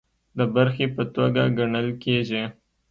د برخې په توګه ګڼل کیږي